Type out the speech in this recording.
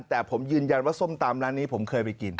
แต่ผมยืนยันว่าส้มตำร้านนี้ผมเคยไปกิน